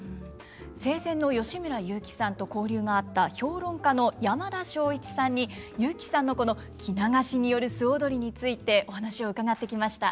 生前の吉村雄輝さんと交流があった評論家の山田庄一さんに雄輝さんのこの着流しによる素踊りについてお話を伺ってきました。